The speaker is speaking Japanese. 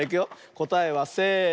こたえはせの。